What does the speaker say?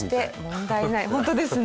本当ですね。